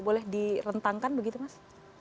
boleh direntangkan begitu mas